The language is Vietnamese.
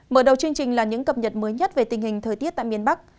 mở đầu chương trình là những cập nhật mới nhất về tình hình thời tiết tại miền bắc